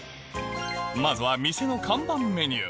まずは店の看板メニュー